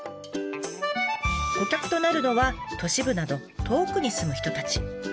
顧客となるのは都市部など遠くに住む人たち。